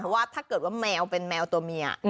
ว่าถ้าเกิดว่าแมวเป็นแมวตัวเมีย